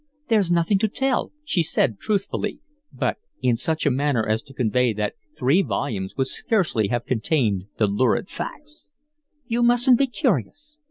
"There's nothing to tell," she said truthfully, but in such a manner as to convey that three volumes would scarcely have contained the lurid facts. "You mustn't be curious."